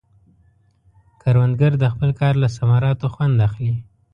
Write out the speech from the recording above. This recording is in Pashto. کروندګر د خپل کار له ثمراتو خوند اخلي